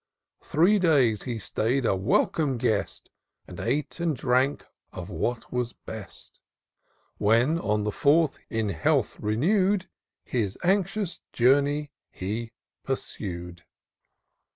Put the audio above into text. Three days he stay'd, a welcome guest^ And ate and drank of what was best; When, on the fourth, in health renew'd. His anxious journey he pursu'd.